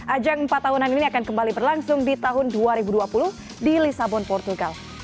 ajang empat tahunan ini akan kembali berlangsung di tahun dua ribu dua puluh di lisabon portugal